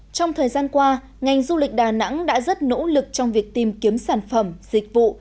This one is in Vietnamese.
trong thời gian qua ngành du lịch đà nẵng đã rất nỗ lực trong việc tìm kiếm sản phẩm dịch vụ